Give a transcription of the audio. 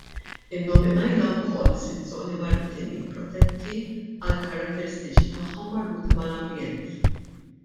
Innominajna wkoll sitt żoni marittimi protetti għall-karatterestiċi tagħhom marbuta mal-ambjent.